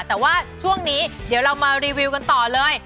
แต่ว่าช่วงนี้เดี๋ยวเรามารีวิวกันต่อเลย